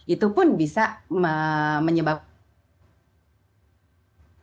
itu pun bisa menyebabkan